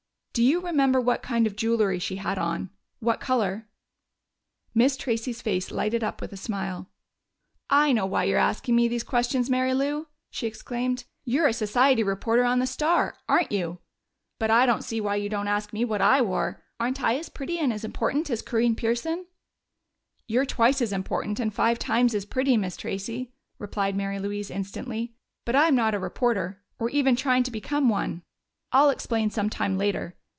"Do you remember what kind of jewelry she had on? What color?" Miss Tracey's face lighted up with a smile. "I know why you're asking me these questions, Mary Lou!" she exclaimed. "You're a society reporter on the Star aren't you? But I don't see why you don't ask me what I wore. Aren't I as pretty and as important as Corinne Pearson?" "You're twice as important and five times as pretty, Miss Tracey!" replied Mary Louise instantly. "But I'm not a reporter or even trying to become one.... I'll explain some time later....